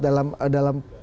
dalam kesehatan dan kekuatan